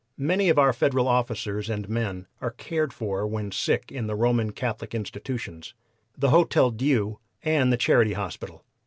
Many of our Federal officers and men are cared for when sick in the Roman Catholic institutions, the Hotel Dieu and the Charity Hospital.